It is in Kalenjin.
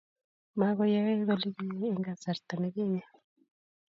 Makoyaye olikiyae eng kasarta ninginye